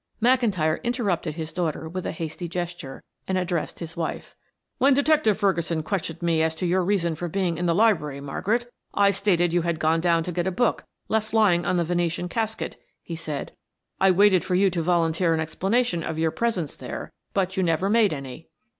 McIntyre interrupted his daughter with a hasty gesture, and addressed his wife. "When Detective Ferguson questioned me as to your reason for being in the library, Margaret, I stated you had gone down to get a book left lying on the Venetian casket," he said. "I waited for you to volunteer an explanation of your presence there, but you never made any."